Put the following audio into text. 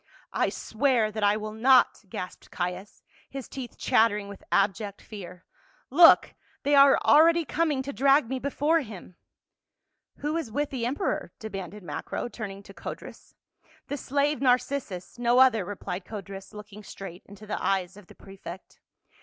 " I swear that I will not," gasped Caius, his teeth chattering with abject fear. " Look, they are already coming to drag me before him !" "Who is with the emperor?" demanded Macro, turn ing to Codrus. " The slave Narcissus, no other," replied Codrus, looking straight into the eyes of the prefect.